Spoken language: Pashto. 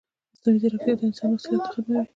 مصنوعي ځیرکتیا د انسان مسؤلیت نه ختموي.